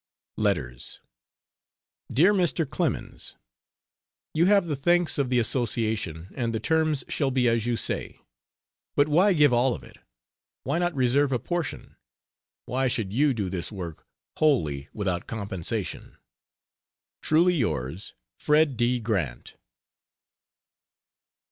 Letters: DEAR MR. CLEMENS, You have the thanks of the Association, and the terms shall be as you say. But why give all of it? Why not reserve a portion why should you do this work wholly without compensation? Truly yours FRED. D. GRANT.